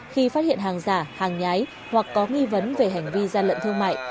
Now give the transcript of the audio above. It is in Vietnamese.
khi phát hiện hàng giả hàng nhái hoặc có nghi vấn về hành vi gian lận thương mại